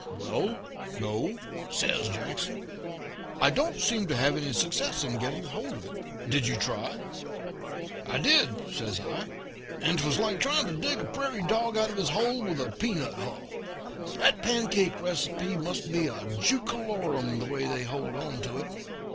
"'Well, no,' says Jackson. 'I don't seem to have any success in getting hold of it. Did you try?' "'I did,' says I, 'and 'twas like trying to dig a prairie dog out of his hole with a peanut hull. That pancake receipt must be a jookalorum, the way they hold on to it.'